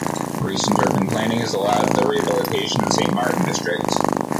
Recent urban planning has allowed the rehabilitation of Saint-Martin district.